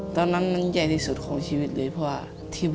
ตอนนั้นคิดว่ามันลำบากครับ